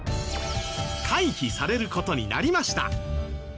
回避される事になりました。